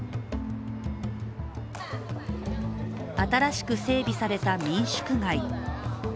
新しく整備された民宿街。